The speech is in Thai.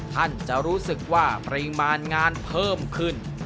ท่านจะรู้สึกว่าปริมาณงานเพิ่มขึ้น